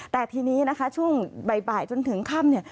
แต่ทีนี้นะคะช่วงบ่ายจนถึงค่ำเนี่ย